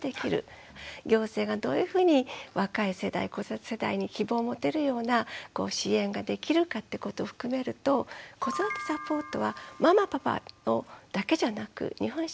行政がどういうふうに若い世代子育て世代に希望を持てるような支援ができるかってことを含めると子育てサポートはママパパだけじゃなく日本社会全体の問題だと思うんですね。